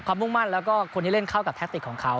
มุ่งมั่นแล้วก็คนที่เล่นเข้ากับแทคติกของเขา